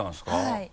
はい。